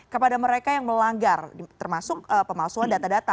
kepada mereka yang melanggar termasuk pemalsuan data data